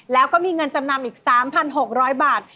แล้วก็มีเงินจำนำอีก๓๖๐๐บาท